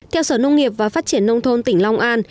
theo sở nông nghiệp và phát triển nông thôn tỉnh long an